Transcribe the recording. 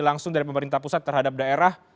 langsung dari pemerintah pusat terhadap daerah